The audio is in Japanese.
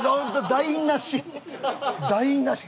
台なし！